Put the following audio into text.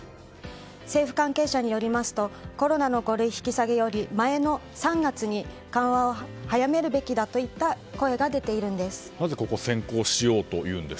政府関係者によりますとコロナの五類引き下げより前の３月に緩和を早めるべきだといった声が出ているんです。